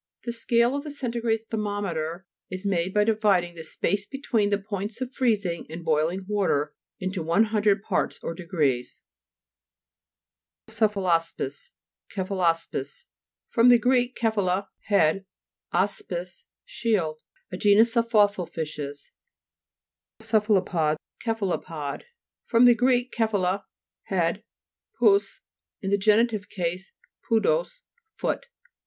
The scale of the centigrade thermometer is made by dividing the space between the points of freezing, and boiling water, into one hundred parts or degrees. CEPHALA'SPIS (kej al a'spifi) fr. gr. keplialc, head, aspis, shield. A genus of fossil fishes (p. 37). CE'PHALOPOD (kt'f alu pod) fr. gr. kephale, head, pous, in genitive case podos, foot.